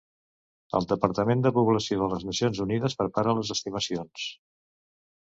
El Departament de Població de les Nacions Unides prepara les estimacions.